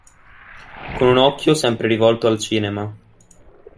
Con un occhio sempre rivolto al cinema.